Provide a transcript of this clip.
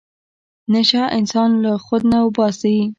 نشه انسان له خود نه اوباسي.